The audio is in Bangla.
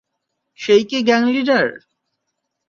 সেই কি গ্যাং লিডার?